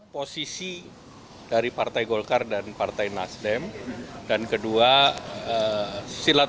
posisi dari partai golkar dan partai nasdem dan kedua silaturah